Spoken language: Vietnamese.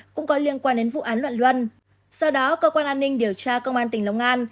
cũng có liên quan đến vụ án luận luân sau đó cơ quan an ninh điều tra công an tỉnh long an